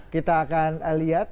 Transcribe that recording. kita akan lihat